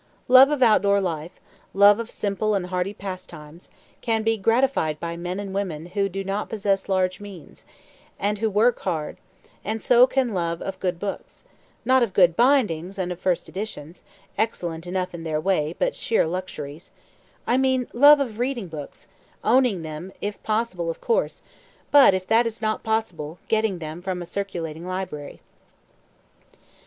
Love of outdoor life, love of simple and hardy pastimes, can be gratified by men and women who do not possess large means, and who work hard; and so can love of good books not of good bindings and of first editions, excellent enough in their way but sheer luxuries I mean love of reading books, owning them if possible of course, but, if that is not possible, getting them from a circulating library.